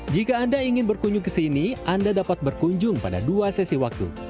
jika anda ingin berkunjung ke sini anda dapat berkunjung pada dua sesi waktu